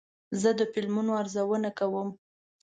زه د فلمونو ارزونه کوم.